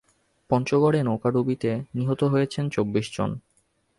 পঞ্চগড়ে নৌকাডুবিতে নিহত হয়েছেন চব্বিশ জন।